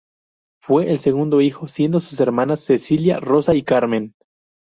Fue el segundo hijo, siendo sus hermanas Cecilia, Rosa y Carmen.